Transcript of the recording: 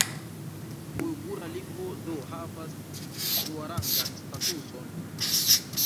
Ujgura lingvo do havas duarangan statuson.